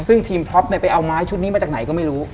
ซึ่งทีมพล็อปไปเอาไม้ชุดนี้มาจากไหนก็ไม่รู้